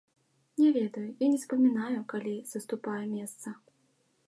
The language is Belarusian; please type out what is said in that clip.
Не ведаю, я не запамінаю, калі саступаю месца.